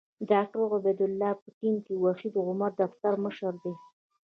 د ډاکټر عبدالله په ټیم کې وحید عمر د دفتر مشر دی.